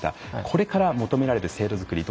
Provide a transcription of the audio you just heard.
これから求められる制度作り